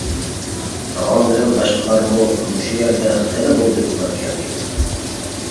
-تاغاڭ بىلەن باشقىلارمۇ مۇشۇ يەردە، خېلى بولدى ئۇلار كەلگىلى!